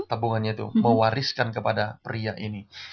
tabungannya itu mewariskan kepada pria ini